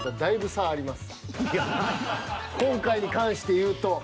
今回に関して言うと。